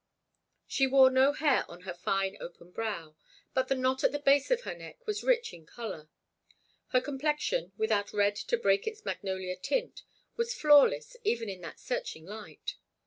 She wore no hair on her fine, open brow, but the knot at the base of the neck was rich in color. Her complexion, without red to break its magnolia tint, was flawless even in that searching light.